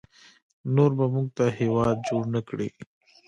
نور به موږ ته هیواد جوړ نکړي